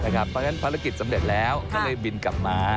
เพราะฉะนั้นภารกิจสำเร็จแล้วก็เลยบินกลับมา